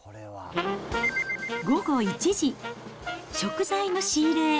午後１時、食材の仕入れへ。